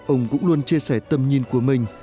ông cũng luôn chia sẻ tâm nhìn của mình